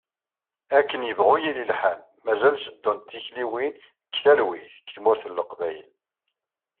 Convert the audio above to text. Akken yebɣu yili lḥal, mazal teddunt tikliwin deg talwit, deg tmurt n Leqbayel.